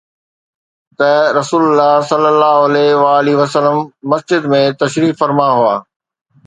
ته رسول الله صلي الله عليه وآله وسلم مسجد ۾ تشریف فرما هئا